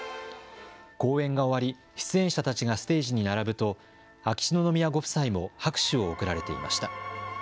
公演が終わり出演者たちがステージに並ぶと秋篠宮ご夫妻も拍手を送られていました。